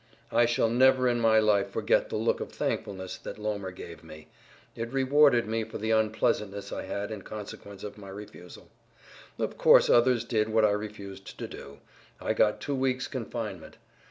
I shall never in my life forget the look of thankfulness that Lohmer gave me; it rewarded me for the unpleasantness I had in consequence of my refusal. Of course others did what I refused to do; I got two weeks' confinement.